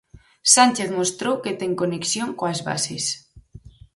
Sánchez mostrou que ten conexión coas bases.